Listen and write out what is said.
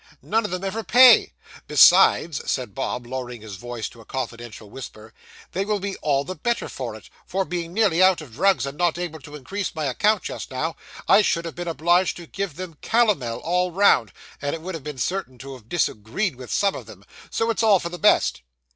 None of them ever pay. Besides,' said Bob, lowering his voice to a confidential whisper, 'they will be all the better for it; for, being nearly out of drugs, and not able to increase my account just now, I should have been obliged to give them calomel all round, and it would have been certain to have disagreed with some of them. So it's all for the best.